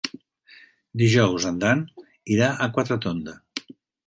Dijous en Dan irà a Quatretonda.